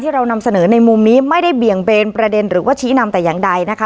เรานำเสนอในมุมนี้ไม่ได้เบี่ยงเบนประเด็นหรือว่าชี้นำแต่อย่างใดนะคะ